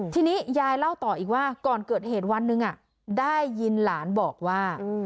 ทีนี้ยายเล่าต่ออีกว่าก่อนเกิดเหตุวันหนึ่งได้ยินหลานบอกว่า